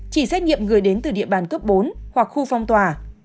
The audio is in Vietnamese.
chỉ xét nghiệm người đến từ địa bàn cấp bốn hoặc khu phong tỏa